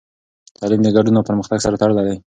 تعلیم د ګډون او پرمختګ سره تړلی دی.